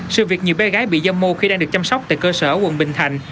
sự việc nhiều bé gái bị giam mô khi đang được chăm sóc tại cơ sở quận bình thạnh